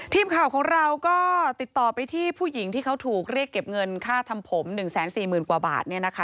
ทีมข่าวของเราก็ติดต่อไปที่ผู้หญิงที่เขาถูกเรียกเก็บเงินค่าทำผม๑๔๐๐๐กว่าบาทเนี่ยนะคะ